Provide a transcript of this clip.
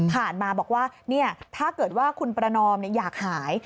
มาบอกว่าถ้าเกิดว่าคุณประนอมอยากหาย